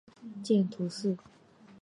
见图四。